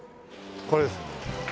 これです。